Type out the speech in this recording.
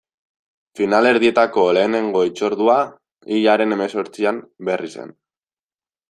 Finalerdietako lehenengo hitzordua, hilaren hemezortzian, Berrizen.